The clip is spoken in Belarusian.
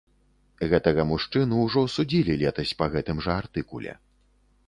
Гэтага мужчыну ўжо судзілі летась па гэтым жа артыкуле.